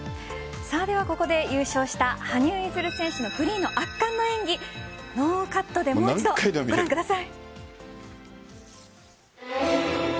ここで優勝した羽生結弦選手のフリーの圧巻の演技ノーカットでもう一度ご覧ください。